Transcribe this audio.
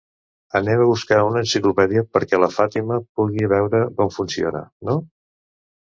Anem a buscar una enciclopèdia perquè la Fàtima pugui veure com funciona, no?